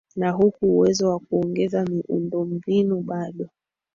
na huku uwezo wa kuongeza muindo mbinu bado